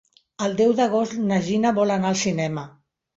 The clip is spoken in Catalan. El deu d'agost na Gina vol anar al cinema.